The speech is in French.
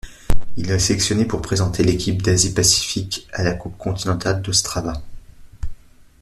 Il est sélectionné pour représenter l'équipe d'Asie-Pacifique à la Coupe continentale d'Ostrava.